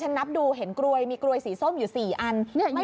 ฉันนับดูเห็นกรวยมีกรวยสีส้มอยู่สี่อันไม่ได้มี